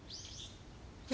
え？